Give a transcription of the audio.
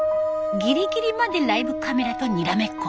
ギリギリまでライブカメラとにらめっこ。